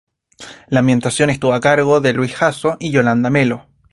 La ambientación estuvo a cargo de Luis Jasso y Yolanda Melo.